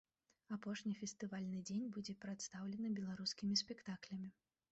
Апошні фестывальны дзень будзе прадстаўлены беларускімі спектаклямі.